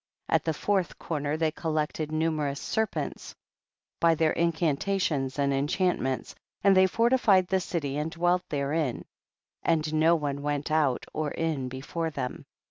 10. At the fourth corner they col lected numerous serpents by their incantations and enchantments, and they fortified the city and dwelt there in, and no one went out or in before them.